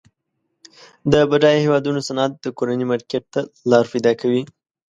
د بډایه هیوادونو صنعت د کورني مارکیټ ته لار پیداکوي.